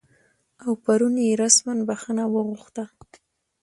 او پرون یې رسما بخښنه وغوښته